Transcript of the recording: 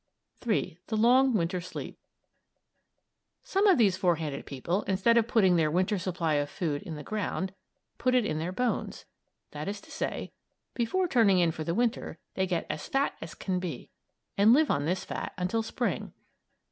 III. THE LONG WINTER SLEEP Some of these forehanded people, instead of putting their Winter supply of food in the ground, put it on their bones. That is to say, before turning in for the Winter, they get as fat as can be and then live on this fat until Spring.